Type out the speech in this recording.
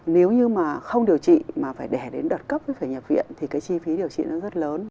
nếu như mà không điều trị mà phải đẻ đến đợt cấp thì phải nhập viện thì cái chi phí điều trị nó rất lớn